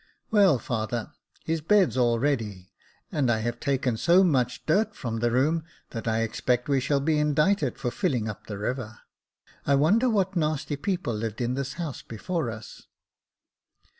"Well, father, his bed's all ready; and I have taken so much dirt from the room that I expect we shall be indicted for filling up the river. I wonder what nasty people lived in this house before us."